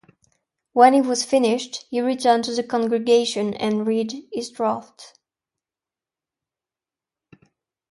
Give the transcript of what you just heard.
When he was finished, he returned to the congregation and read his draft.